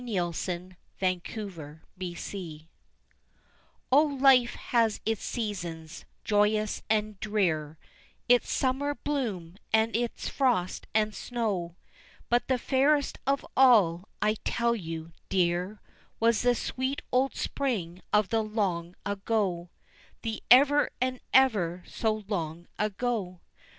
] The Ever and Ever so Long Ago O, life has its seasons joyous and drear, Its summer's bloom, and its frost and snow, But the fairest of all, I tell you, dear, Was the sweet old spring of the long ago The ever and ever so long ago!